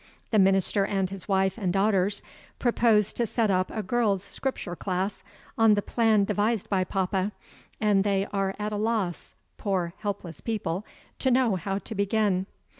The minister and his wife and daughters propose to set up a Girls' Scripture Class, on the plan devised by papa; and they are at a loss, poor helpless people, to know how to begin.